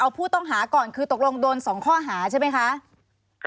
ผู้ต้องหาก่อนคือตกลงโดน๒ข้อหาใช่ไหมคะ